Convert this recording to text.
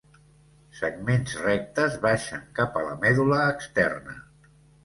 Segments rectes baixen cap a la medul·la externa.